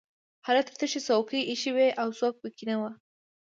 هلته تشې څوکۍ ایښې وې او څوک پکې نه وو